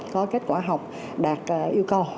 có kết quả học đạt yêu cầu